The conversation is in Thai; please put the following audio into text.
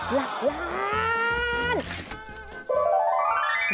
หลักล้าน